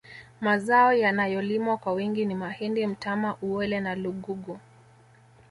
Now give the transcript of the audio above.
Mazao yanayolimwa kwa wingi ni mahindi mtama uwele na lugugu